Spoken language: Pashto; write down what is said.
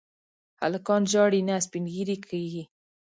هلکان ژاړي نه، سپين ږيري کيږي.